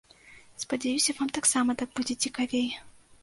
Спадзяюся, вам таксама так будзе цікавей.